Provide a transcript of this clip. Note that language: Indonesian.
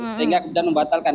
sehingga kemudian membatalkan